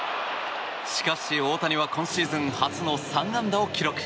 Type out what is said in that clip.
しかし大谷は今シーズン初の３安打を記録。